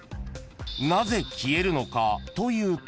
［なぜ消えるのかというと］